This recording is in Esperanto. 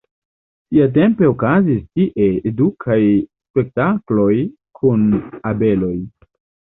Siatempe okazis tie edukaj spektakloj kun abeloj.